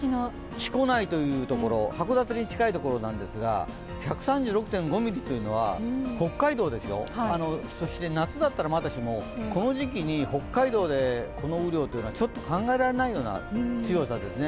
木古内というところ、函館に近いところなんですが１３６．５ミリというのは北海道、夏だったらまだしも、こ時期に北海道でちょっと考えられないような強いものですね。